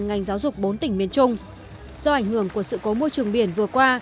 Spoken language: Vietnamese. ngành giáo dục bốn tỉnh miền trung do ảnh hưởng của sự cố môi trường biển vừa qua